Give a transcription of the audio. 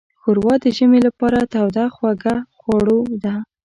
ښوروا د ژمي لپاره توده خوږه خوړو ده.